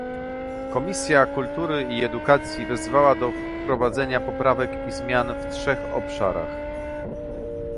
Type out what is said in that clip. Komisja Kultury i Edukacji wezwała do wprowadzenia poprawek i zmian w trzech obszarach